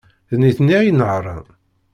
D nitni ay inehhṛen.